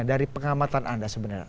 dari pengamatan anda sebenarnya